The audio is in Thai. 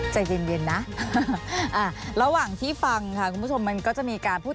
ใจเย็นนะระหว่างที่ฟังค่ะคุณผู้ชมมันก็จะมีการพูด